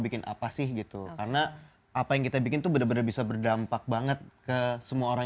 bikin apa sih gitu karena apa yang kita bikin tuh bener bener bisa berdampak banget ke semua orang